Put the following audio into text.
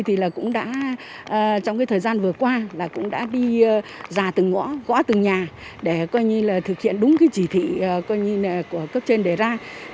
trong thời gian vừa qua đã đi rà từng ngõ gõ từng nhà để thực hiện đúng chỉ thị của cấp trên để ra